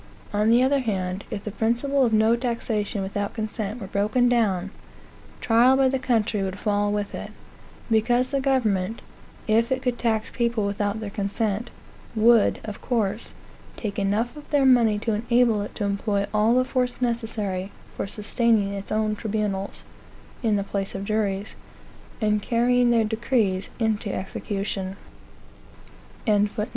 On the other hand, if the principle of no taxation without consent were broken down, trial by the country would fall with it, because the government, if it could tax people without their consent, would, of course, take enough of their money to enable it to employ all the force necessary for sustaining its own tribunals, (in the place of juries,) and carrying their decrees into execution.